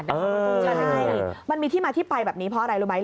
ใช่มันมีที่มาที่ไปแบบนี้เพราะอะไรรู้ไหม